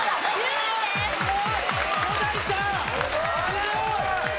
すごーい！